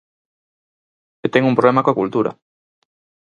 E ten un problema coa cultura.